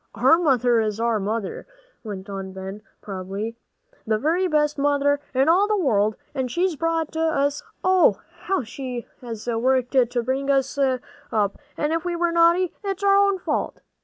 "Our mother is our mother," went on Ben, proudly, "the very best mother in all the world, and she's brought us up, oh, how she has worked to bring us up! and if we're naughty, it's all our own fault!"